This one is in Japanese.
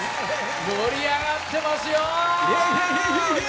盛り上がってますよ！